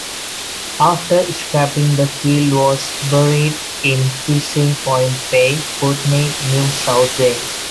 After scrapping, the keel was buried in Kissing Point Bay, Putney, New South Wales.